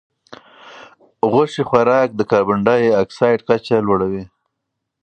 غوښې خوراک د کاربن ډای اکسایډ کچه لوړوي.